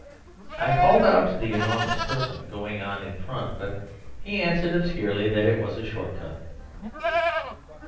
I called out to the enormous person going on in front, but he answered obscurely that it was a short cut.